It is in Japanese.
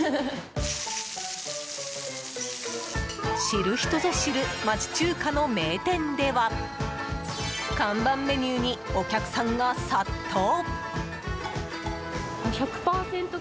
知る人ぞ知る町中華の名店では看板メニューにお客さんが殺到！